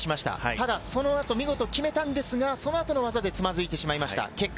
ただその後、見事に決めたんですが、そのあとの技でつまずいてしまった。